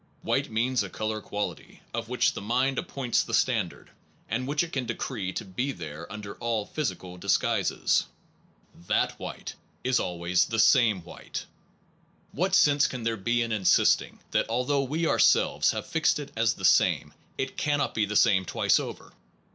White means a color quality of which the mind ap points the standard, and which it can decree to be there under all physical disguises. That 105 SOME PROBLEMS OF PHILOSOPHY white is always the same white. What sense can there be in insisting that although we our selves have fixed it as the same, it cannot be the same twice over?